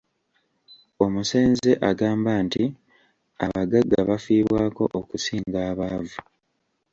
Omusenze agamba nti abagagga bafiibwako okusinga abaavu.